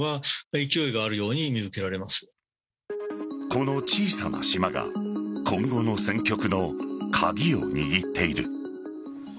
この小さな島が今後の戦局の鍵を握っている。